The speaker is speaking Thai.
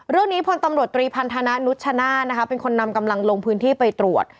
เรื่องนี้ผลตำรวจตรีพันธนานุชชนะเป็นคนนำกำลังลงพื้นที่ไปตรวจ